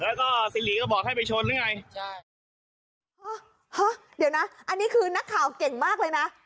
แล้วก็สิริก็บอกให้ไปชนหรือไงใช่ฮะเดี๋ยวนะอันนี้คือนักข่าวเก่งมากเลยนะ